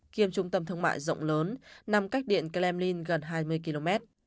kiêm trung tâm thương mại rộng lớn nằm cách điện kremlin gần hai mươi km